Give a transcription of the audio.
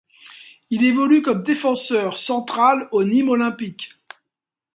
Il évolue comme défenseur central au Nîmes Olympique.